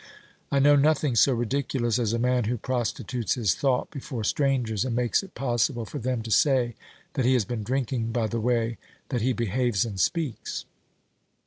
I know nothing so ridiculous as a man who prostitutes his thought before strangers, and makes it possible for them to say that he has been drinking by the way that he behaves and speaks.